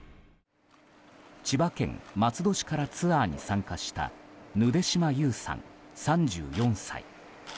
千葉県松戸市からツアーに参加したヌデシマ・ユウさん、３４歳。